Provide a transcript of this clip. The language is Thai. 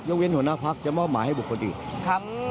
ยกเว้นหัวหน้าพักจะมอบหมายให้บุคคลอีก